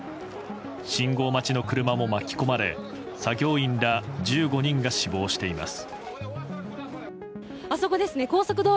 信号待ちの車も巻き込まれ作業員ら１５人が死亡しています。